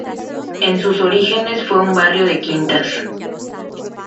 En sus orígenes fue un barrio de quintas.